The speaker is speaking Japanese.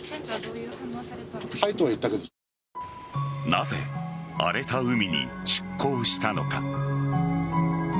なぜ荒れた海に出港したのか。